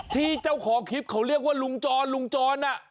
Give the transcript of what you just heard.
ที่เจ้าขอคลิปเค้าเรียกว่าลุงจรลุงจร